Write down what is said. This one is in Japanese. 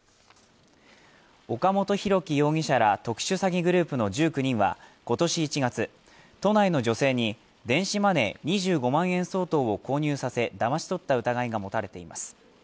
岡本大樹容疑者ら特殊詐欺グループの１９人は今年１月、都内の女性に電子マネー２５万円相当を購入させ、だまし取った疑いが持たれています。